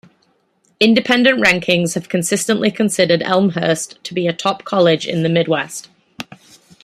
Independent rankings have consistently considered Elmhurst to be a top college in the Midwest.